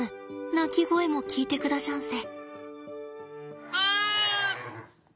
鳴き声も聞いてくだしゃんせ。